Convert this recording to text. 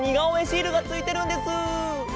シールがついてるんです。